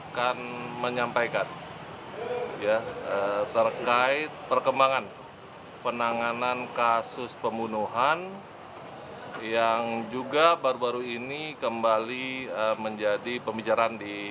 kami telah melakukan upaya upaya